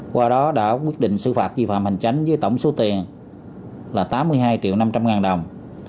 qua đó đã quyết định xử phạt vi phạm hành chánh với tổng số tiền là tám mươi hai triệu năm trăm linh ngàn đồng